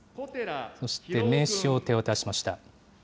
そして名紙を手渡しました。